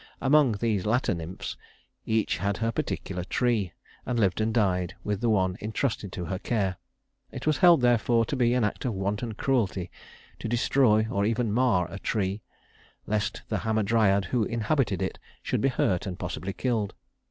Among these latter nymphs each had her particular tree, and lived and died with the one intrusted to her care. It was held, therefore, to be an act of wanton cruelty to destroy or even mar a tree, lest the Hamadryad who inhabited it should be hurt and possibly killed.